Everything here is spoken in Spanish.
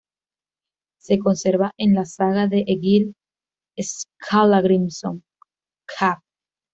Se conserva en la "Saga de Egil Skallagrímson", cap.